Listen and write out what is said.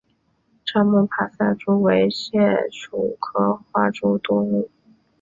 樟木爬赛蛛为蟹蛛科花蛛属的动物。